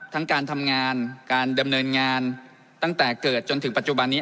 ทั้งการทำงานการดำเนินงานตั้งแต่เกิดจนถึงปัจจุบันนี้